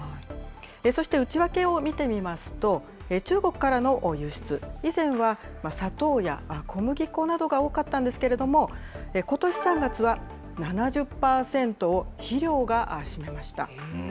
そして内訳を見てみますと、中国からの輸出、以前は砂糖や小麦粉などが多かったんですけれども、ことし３月は７０％を肥料が占めました。